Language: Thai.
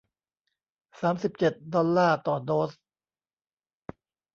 สามสิบเจ็ด ดอลลาร์ต่อโดส